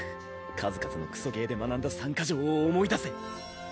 数々のクソゲーで学んだ３か条を思い出せ。